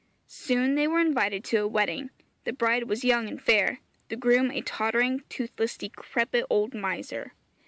Soon they were invited to a wedding; the bride was young and fair, the groom a tottering, toothless, decrepit old miser.